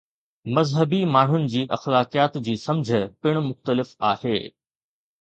مذهبي ماڻهن جي اخلاقيات جي سمجھ پڻ مختلف آهي.